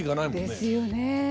ですよね。